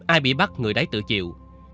ai bị bắt người đáy tự chịu